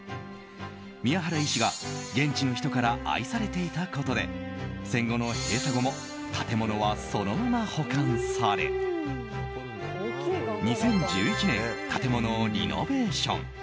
宮原医師が現地の人から愛されていたことで戦後の閉鎖後も建物はそのまま保管され２０１１年建物をリノベーション。